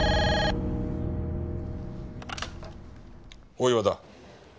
大岩だ。